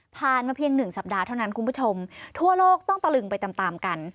มาเพียง๑สัปดาห์เท่านั้นคุณผู้ชมทั่วโลกต้องตะลึงไปตามตามกัน